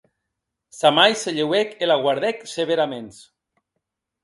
Sa mair se lheuèc e la guardèc severaments.